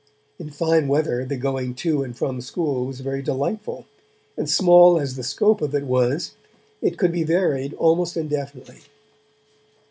In fine weather the going to and from school was very delightful, and small as the scope of it was, it could be varied almost indefinitely.